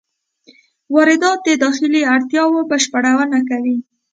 واردات د داخلي اړتیاوو بشپړونه کوي.